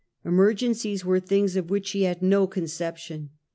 Emergencies were things of which she had no conception.